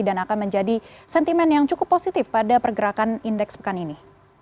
dan akan menjadi sentimen yang cukup positif pada pergerakan indeks pekan ini